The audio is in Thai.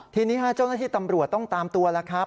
ทีนี้เจ้าหน้าที่ตำรวจต้องตามตัวแล้วครับ